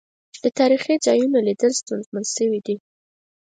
د تاريخي ځا يونوليدل ستونزمن سويدی.